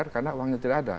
karena uangnya tidak ada